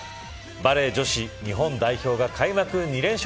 バレー女子日本代表が開幕２連勝。